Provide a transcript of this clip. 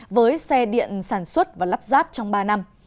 với xe điện sản xuất và lắp ráp trong ba năm